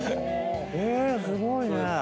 すごいね！